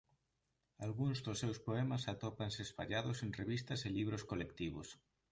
Algúns dos seus poemas atópanse espallados en revistas e libros colectivos.